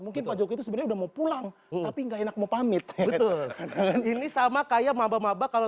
mungkin aja gitu sebenarnya mau pulang tapi nggak enak mau pamit ini sama kayak mabah mabah kalau